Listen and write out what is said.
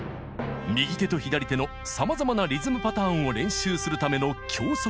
右手と左手のさまざまなリズムパターンを練習するための教則本です。